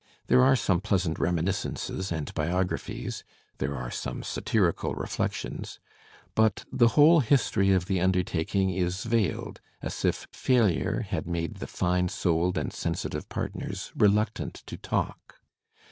There are some pleasant reminiscences and biographies. There are some satirical reflections. But the whole histoiy of the undertaking is veiled, as if failure had made the fine souled and sensitive partners reluctant to talk.